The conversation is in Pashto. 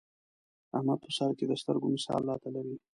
احمد په سرکې د سترګو مثال را ته لري.